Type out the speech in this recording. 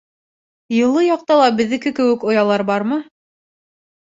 — Йылы яҡта ла беҙҙеке кеүек оялар бармы?